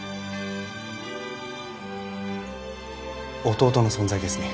弟の存在ですね。